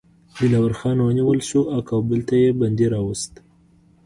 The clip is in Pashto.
دلاور خان ونیول شو او کابل ته یې بندي راووست.